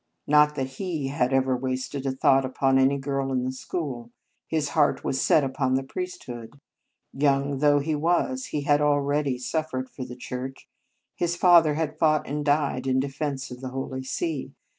Not that he had ever wasted a thought upon any girl in the school. His heart was set upon the priesthood. Young though he was, he had already suffered for the Church. His father had fought and died in defence of the Holy See.